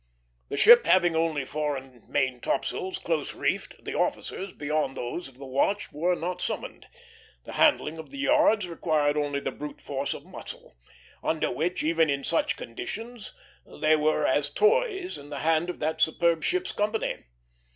The ship having only fore and main topsails, close reefed, the officers, beyond those of the watch, were not summoned; the handling of the yards required only the brute force of muscle, under which, even in such conditions, they were as toys in the hands of that superb ship's company.